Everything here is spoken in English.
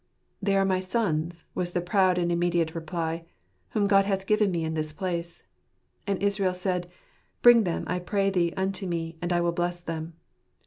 "They are my sons," was the proud and immediate reply, " whom God hath given me in this place." And Israel said, " Bring them, I pray thee, unto me, and I will bless them."